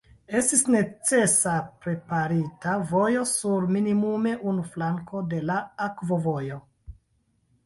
Estis necesa preparita vojo sur minimume unu flanko de la akvovojo.